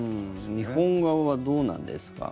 日本側はどうなんですか？